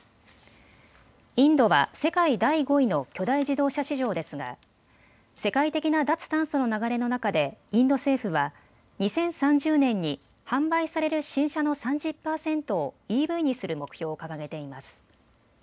インドは世界第５位の巨大自動車市場ですが世界的な脱炭素の流れの中でインド政府は２０３０年に販売される新車の３０％をＥＶにする目標を掲げています。